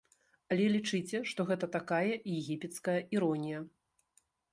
Але лічыце, што гэта такая егіпецкая іронія.